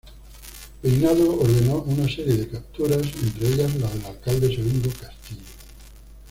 Peinado ordenó una serie de capturas, entre ellas la del alcalde segundo Castillo.